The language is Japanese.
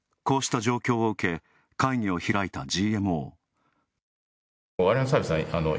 こうした状況を受け、会議を開いたＧＭＯ。